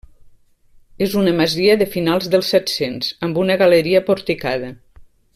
És una masia de finals del set-cents, amb una galeria porticada.